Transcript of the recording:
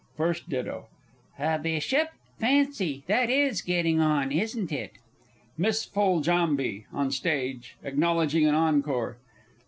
FIRST DITTO. A Bishop? Fancy! That is getting on, isn't it? MISS FOLJAMBE (on Stage, acknowledging an encore).